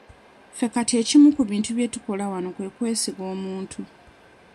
Ffe kati ekimu ku bintu bye tukola wano kwe kwesiga omuntu.